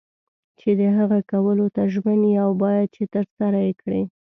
چې د هغه کولو ته ژمن یې او باید چې ترسره یې کړې.